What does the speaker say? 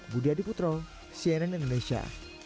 budi adiputro cnn indonesia